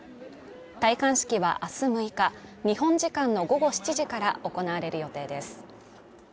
戴冠式は明日６日日本時間の午後７時から行われる予定です。